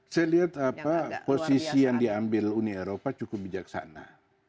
saya lihat posisi yang diambil uni eropa cukup bijaksana